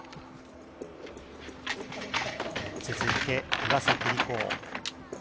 続いて、岩崎里胡。